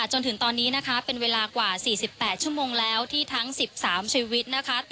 จนถึงตอนนี้นะคะเป็นเวลากว่าสี่สิบแปดชั่วโมงแล้วที่ทั้งสิบสามชีวิตนะคะ